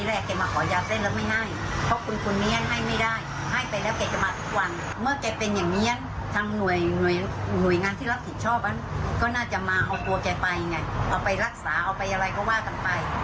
แต่ว่ามาช่วงพักหลังนี้อาทิตย์เนี่ยก็ลื่นเพื่อจะทำร้ายผู้คน